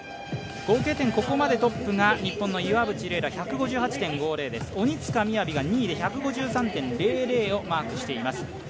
合計点、ここまでトップが日本の岩渕麗楽１５８．５０、鬼塚雅が１５３．００をマークしています。